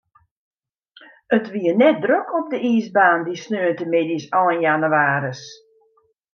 It wie net drok op de iisbaan, dy saterdeitemiddeis ein jannewaris.